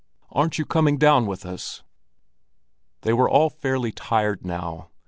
"Aren't you coming down with us?" They were all fairly tired now.